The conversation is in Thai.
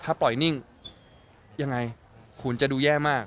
ถ้าปล่อยนิ่งยังไงขุนจะดูแย่มาก